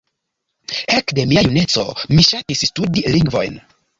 Ekde mia juneco, mi ŝatis studi lingvojn.